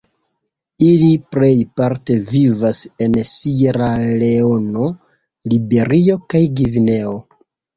Ili plejparte vivas en Sieraleono, Liberio kaj Gvineo.